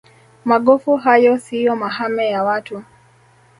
magofu hayo siyo mahame ya watu